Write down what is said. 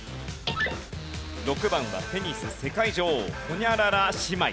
６番はテニス世界女王ホニャララ姉妹。